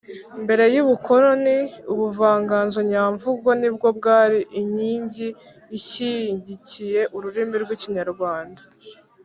Mbere y’ubukoroni ubuvanganzo nyamvugo nibwo bwari inyingi ishyigikiye ururimi rw’ikinyarwanda